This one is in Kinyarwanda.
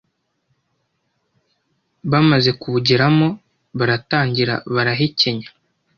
Bamaze kubugeramo baratangira barahekenya